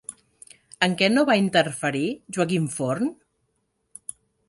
En què no va interferir Joaquim Forn?